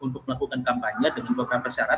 untuk melakukan kampanye dengan berbagai persyarat